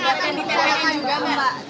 ini kan pertemunya pak asyar juga nih